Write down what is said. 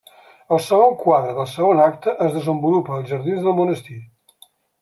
El segon quadre del segon acte es desenvolupa als jardins del monestir.